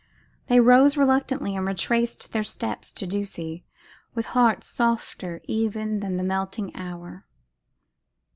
They rose reluctantly and retraced their steps to Ducie, with hearts softer even than the melting hour.